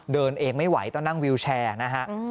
เดินเองไม่ไหวต้องนั่งวิวแชร์นะฮะ